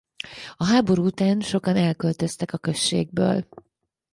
A háború után sokan elköltöztek a községből.